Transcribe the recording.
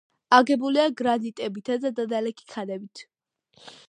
აგებულია გრანიტებითა და დანალექი ქანებით.